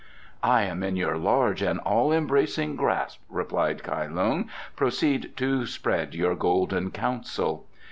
"I am in your large and all embracing grasp," replied Kai Lung. "Proceed to spread your golden counsel."